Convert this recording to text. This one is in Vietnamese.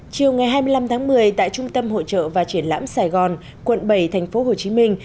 chiều ngày hai mươi năm tháng một mươi tại trung tâm hội trợ và triển lãm sài gòn quận bảy thành phố hồ chí minh